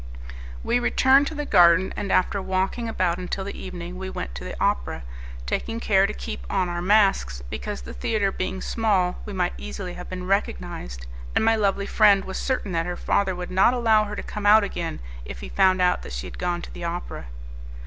We returned to the garden, and after walking about until the evening we went to the opera, taking care to keep on our masks, because, the theatre being small, we might easily have been recognized, and my lovely friend was certain that her father would not allow her to come out again, if he found out that she had gone to the opera.